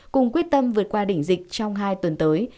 cùng quyết tâm vượt qua đỉnh dịch trong hai tuần tới